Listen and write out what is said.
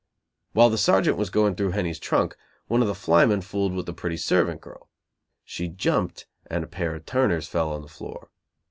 While the sergeant was going through Henny's trunk, one of the flymen fooled with the pretty servant girl. She jumped, and a pair of turners fell on the floor.